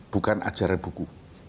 bukan ajaran buku